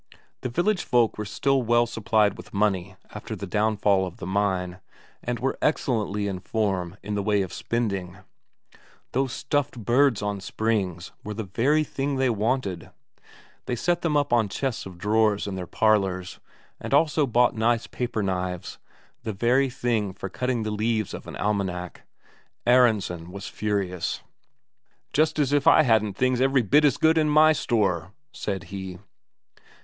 The village folk were still well supplied with money after the downfall of the mine, and were excellently in form in the way of spending; those stuffed birds on springs were the very thing they wanted; they set them up on chests of drawers in their parlours, and also bought nice paper knives, the very thing for cutting the leaves of an almanac. Aronsen was furious. "Just as if I hadn't things every bit as good in my store," said he.